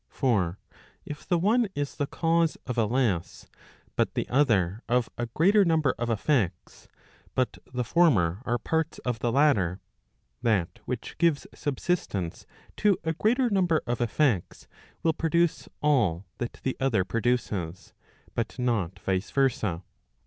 343 For if the one is the cause of a less, hut the other of a greater number of effects, but the former are parts of the latter, that which gives subsistence to a greater number of effects, will produce all that the other produces; but not vice versa.